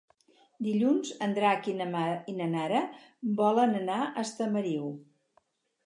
Dilluns en Drac i na Nara volen anar a Estamariu.